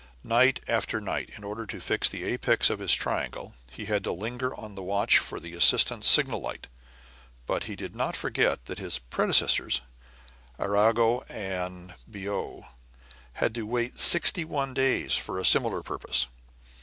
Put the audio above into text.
Night after night, in order to fix the apex of his triangle, he had to linger on the watch for the assistant's signal light, but he did not forget that his predecessors, Arago and Biot, had had to wait sixty one days for a similar purpose.